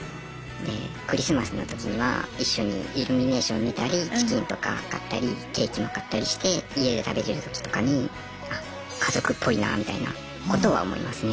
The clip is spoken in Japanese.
でクリスマスのときには一緒にイルミネーション見たりチキンとか買ったりケーキも買ったりして家で食べてるときとかにあっ家族っぽいなみたいなことは思いますね。